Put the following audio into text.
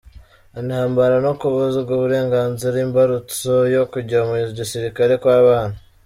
Intambara no kubuzwa uburenganzira, imbarutso yo kujya mu gisirikare kw’abana